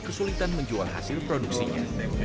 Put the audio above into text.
kesulitan menjual hasil produksinya